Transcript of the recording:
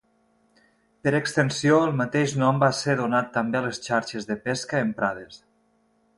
Per extensió el mateix nom va ser donat també a les xarxes de pesca emprades.